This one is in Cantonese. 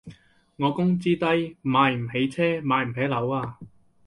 我工資低，買唔起車買唔起樓啊